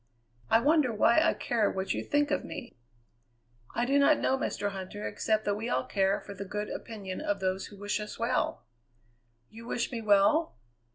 "I wonder why I care what you think of me?" "I do not know, Mr. Huntter, except that we all care for the good opinion of those who wish us well." "You wish me well?"